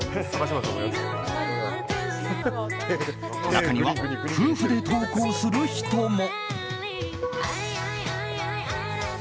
中には、夫婦で投稿する人も。